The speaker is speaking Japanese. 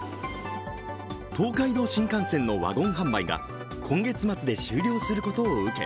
東海道新幹線のワゴン販売が今月末で終了することを受け